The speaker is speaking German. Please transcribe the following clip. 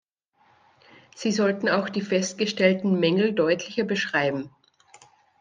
Sie sollten auch die festgestellten Mängel deutlicher beschreiben.